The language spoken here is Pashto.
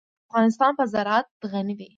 افغانستان په زراعت غني دی.